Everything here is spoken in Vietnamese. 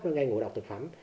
nó gây ngụ độc thực phẩm